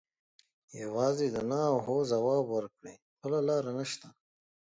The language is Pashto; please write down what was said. یوازې د نه او هو ځواب ورکړي بله لاره نشته.